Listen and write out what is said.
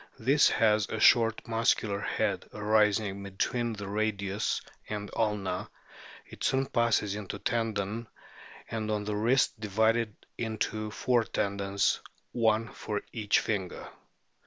This has a short muscular head arising between the radius and ulna, it soon passes into tendon, and on the wrist divided into four tendons, one for each finger.